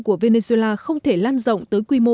của venezuela không thể lan rộng tới quy mô